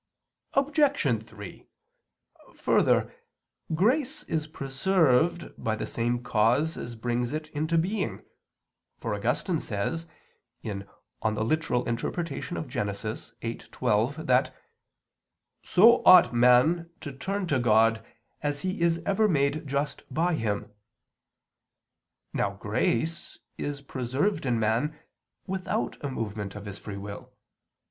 Obj. 3: Further, grace is preserved by the same cause as brings it into being, for Augustine says (Gen. ad lit. viii, 12) that "so ought man to turn to God as he is ever made just by Him." Now grace is preserved in man without a movement of his free will.